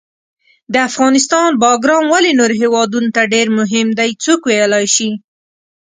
د افغانستان باګرام ولې نورو هیوادونو ته ډېر مهم ده، څوک ویلای شي؟